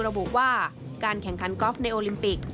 ระบุว่าการแข่งขันกอล์ฟในโอลิมปิก